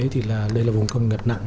thì đây là vùng công nghiệp nặng